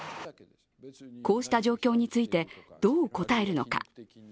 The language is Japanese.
こうした状況について、どう答えるのか。